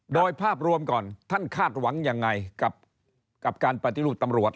โดยภาพรวมก่อนท่านคาดหวังยังไงกับการปฏิรูปตำรวจ